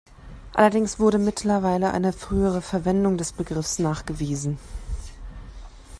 Allerdings wurde mittlerweile eine frühere Verwendung des Begriffs nachgewiesen.